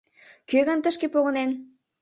Кӧ гын тышке погынен?